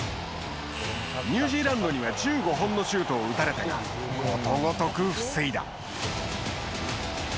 ニュージーランドには１５本のシュートを打たれたがことごとく防いだ。